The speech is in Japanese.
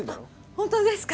本当ですか？